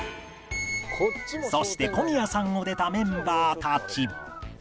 ［そしてＫＯＭＩＹＡさんを出たメンバーたち］